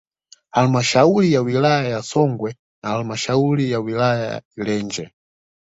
Halmashauri ya wilaya ya Songwe na halmashauri ya wilaya ya Ileje